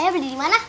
ayah beli dimana